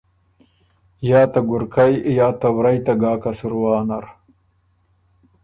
یا ته ګُرکئ یا ته ورئ ته ګاکه سُروا نر۔